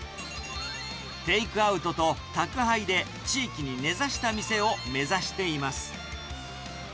テイクアウトと宅配で、地域に根ざした店を目指しています。